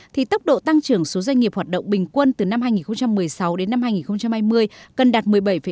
thì tốc độ tăng trưởng số doanh nghiệp hoạt động bình quân từ năm hai nghìn một mươi sáu đến năm hai nghìn hai mươi cần đạt một mươi bảy ba mươi